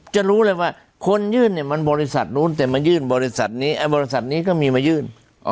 จะรู้เลยว่าคนยื่นเนี่ยมันบริษัทนู้นแต่มายื่นบริษัทนี้ไอ้บริษัทนี้ก็มีมายื่น